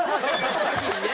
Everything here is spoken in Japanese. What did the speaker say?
先にね。